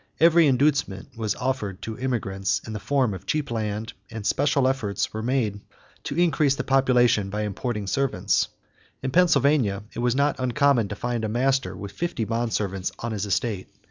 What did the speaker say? Every inducement was offered to immigrants in the form of cheap land, and special efforts were made to increase the population by importing servants. In Pennsylvania, it was not uncommon to find a master with fifty bond servants on his estate.